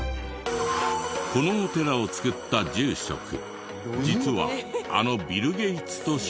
このお寺を造った住職実はあのビル・ゲイツと知り合いで。